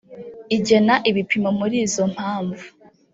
igena ibipimo muri izo mpamvu